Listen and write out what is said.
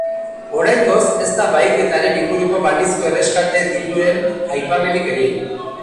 Oraingoz ez da bahiketaren inguruko balizko erreskate-diruren aipamenik egin.